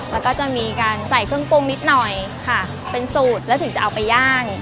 แล้วก็จะมีการใส่เครื่องปรุงนิดหน่อยค่ะเป็นสูตรแล้วถึงจะเอาไปย่าง